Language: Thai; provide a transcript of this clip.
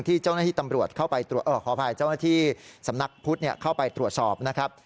ที่เจ้าหน้าที่สำนักพุทธเข้าไปตรวจสอบนะครับ